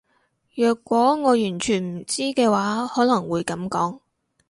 若果我完全唔知嘅話可能會噉講